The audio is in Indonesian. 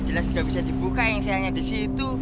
jelas nggak bisa dibuka yang sayangnya di situ